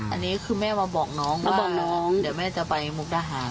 อันนี้คือแม่มาบอกน้องว่าเดี๋ยวแม่จะไปมุกดาหาง